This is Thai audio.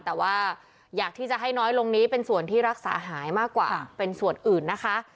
แต่ว่าอยากที่จะให้น้อยลงนี้เป็นส่วนที่รักษาหายมากกว่าเป็นส่วนอื่นนะคะ